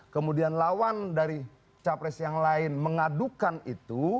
kemudian lawan dari capres yang lain mengadukan itu